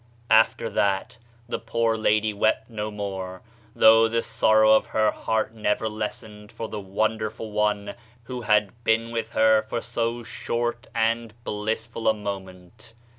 After that the poor lady wept no more though the sorrow of her heart never lessened for the wonderful one who had been with her for so short and blissful a moment.